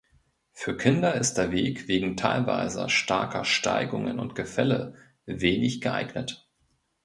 Für Kinder ist der Weg wegen teilweiser starker Steigungen und Gefälle wenig geeignet.